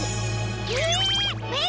えっ！